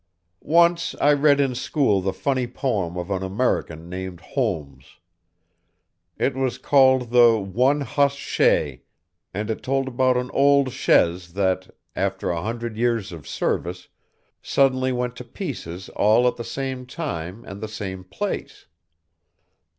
"Once I read in school the funny poem of an American named Holmes. It was called the 'One Hoss Shay,' and it told about an old chaise that, after a hundred years of service, suddenly went to pieces all at the same time and the same place.